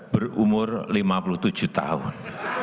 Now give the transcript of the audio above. berumur lima puluh tujuh tahun